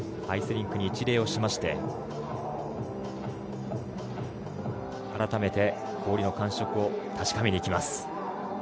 アイスリンクに一礼をしまして改めて氷の感触を確かめます。